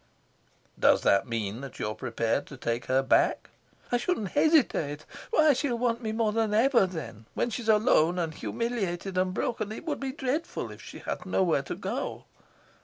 "Does that mean that you're prepared to take her back?" "I shouldn't hesitate. Why, she'll want me more than ever then. When she's alone and humiliated and broken it would be dreadful if she had nowhere to go."